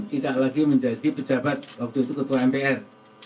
tidak lagi menjadi pejabat waktu itu ketua mpr